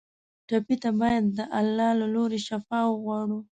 ټپي ته باید د الله له لورې شفا وغواړو.